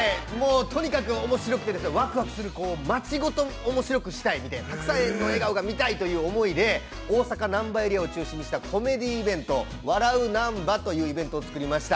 とにかく、おもしろくてわくわくする、町ごとおもしろくしたいみたいなたくさんの笑顔が見たいという思いで、大阪ナンバエリアを中心にしたコメディーイベント、「ワラウナンバ」というイベントをつくりました。